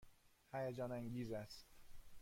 هیجان انگیز است.